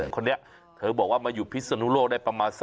คนนี้เธอบอกว่ามาอยู่พิศนุโลกได้ประมาณ